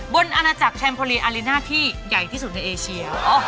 อาณาจักรแชมโพลีอารีน่าที่ใหญ่ที่สุดในเอเชีย